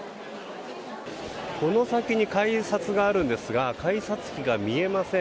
この先に改札があるんですが改札機が見えません。